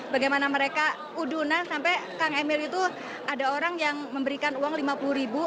bagaimana mereka udunan sampai kang emil itu ada orang yang memberikan uang rp lima puluh ribu